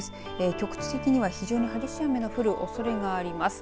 局地的には非常に激しい雨の降るおそれがあります。